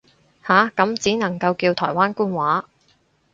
下，咁只能夠叫台灣官話